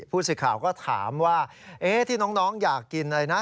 ผู้สื่อข่าวก็ถามว่าที่น้องอยากกินอะไรนะ